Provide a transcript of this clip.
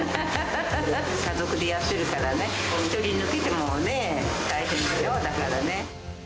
家族でやってるからね、１人抜けてもね、大変でしょ、だからね。